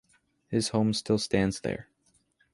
His home still stands there.